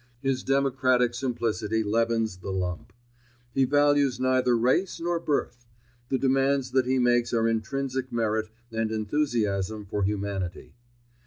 His democratic simplicity leavens the lump. He values neither race, nor birth; the demands that he makes are intrinsic merit and enthusiasm for humanity.